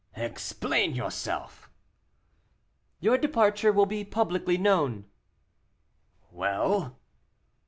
"Explain yourself." "Your departure will be publicly known." "Well?"